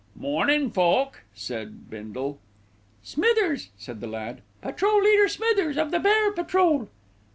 "Mornin' Foch," said Bindle. "Smithers," said the lad. "Patrol leader Smithers of the Bear Patrol."